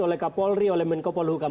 oleh kapolri oleh menko polhukam